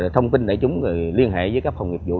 thông tin để chúng liên hệ với các phòng nghiệp vụ